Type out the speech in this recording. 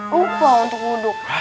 lupa untuk ngunduk